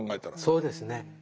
そうですね。